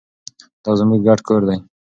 دا زموږ ګډ کور دی.